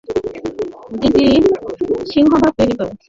যেটি প্রচলিত প্রোটিনের সিংহভাগ তৈরি করে।